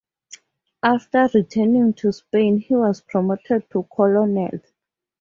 After returning to Spain he was promoted to Colonel.